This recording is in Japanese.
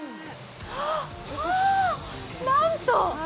わあ、なんと！